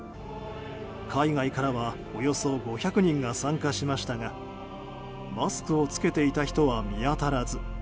海外からはおよそ５００人が参加しましたがマスクを着けていた人は見当たらず。